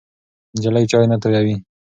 نجلۍ چای نه تویوي.